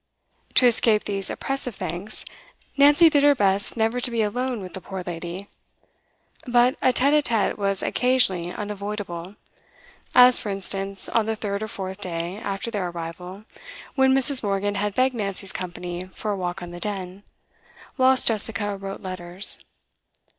To escape these oppressive thanks, Nancy did her best never to be alone with the poor lady; but a tete a tete was occasionally unavoidable, as, for instance, on the third or fourth day after their arrival, when Mrs. Morgan had begged Nancy's company for a walk on the Den, whilst Jessica wrote letters.